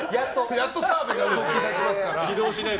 やっと澤部が動き出しますから。